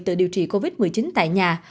tự điều trị covid một mươi chín tại nhà